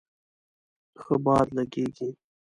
ښه باد لږیږی